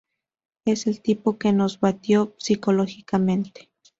Es el tipo que nos batió psicológicamente".